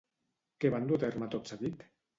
Què van dur a terme tot seguit?